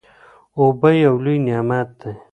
اوبه یو لوی نعمت دی.